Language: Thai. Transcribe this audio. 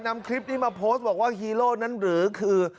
นำคลิปนี้มาดูว่าเฮโร่นั้นหรือคือ